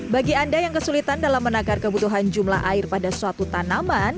bagi anda yang kesulitan dalam menakar kebutuhan jumlah air pada suatu tanaman